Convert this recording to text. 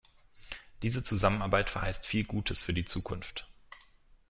Diese Zusammenarbeit verheißt viel Gutes für die Zukunft.